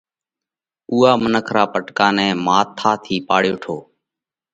اُوئا منک را پٽڪا نئہ ماٿا ٿِي پاڙيو هٺو۔